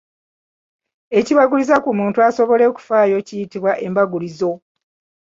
Ekibaguliza ku muntu asobole okufaayo kiyitibwa embagulizo.